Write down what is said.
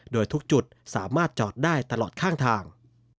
โดยทุกจุดสามารถจอดได้ตลอดข้างทาง